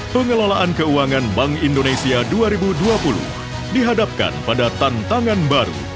pengelolaan keuangan bank indonesia dua ribu dua puluh dihadapkan pada tantangan baru